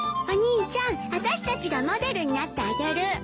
お兄ちゃん私たちがモデルになってあげる。